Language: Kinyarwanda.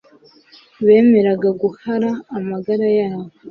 bemeraga guhara amagara yabo